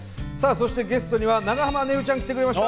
そしてゲストには長濱ねるちゃん来てくれました！